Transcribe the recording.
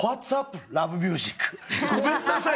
ごめんなさい。